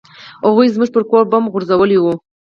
هغوى زموږ پر کور بم غورځولى و.